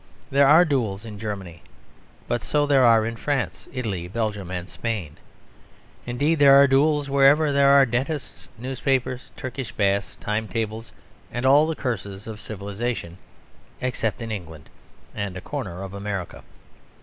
There are duels in Germany; but so there are in France, Italy, Belgium, and Spain; indeed, there are duels wherever there are dentists, newspapers, Turkish baths, time tables, and all the curses of civilisation; except in England and a corner of America.